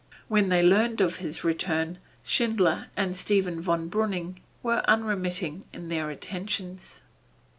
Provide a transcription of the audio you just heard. When they learned of his return, Schindler and Stephen von Breuning were unremitting in their attentions.